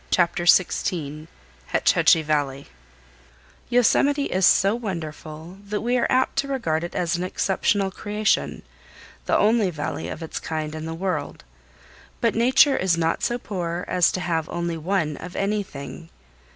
Chapter 16 Hetch Hetchy Valley Yosemite is so wonderful that we are apt to regard it as an exceptional creation, the only valley of its kind in the world; but Nature is not so poor as to have only one of anything.